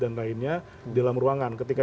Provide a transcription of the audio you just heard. dan lainnya di dalam ruangan ketika